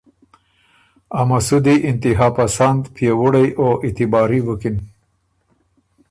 ا مسُودی انتها پسند، پئےوُړئ او اعتباري بُکِن۔